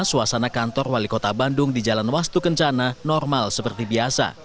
suasana kantor wali kota bandung di jalan wastu kencana normal seperti biasa